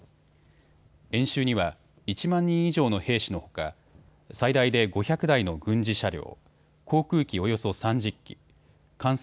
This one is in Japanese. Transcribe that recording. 演習には１万人以上の兵士のほか最大で５００台の軍事車両、航空機およそ３０機、艦船